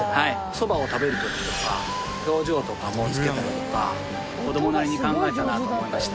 そばを食べる時とか表情とかもつけたりとか子どもなりに考えたなと思いました。